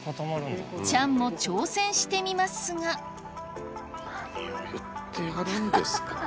チャンも挑戦してみますが何を言ってはるんですか？